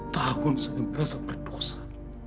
sepuluh tahun saya merasa berdosa